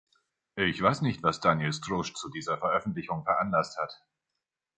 Ich weiß nicht, was Daniel Strož zu dieser Veröffentlichung veranlasst hat.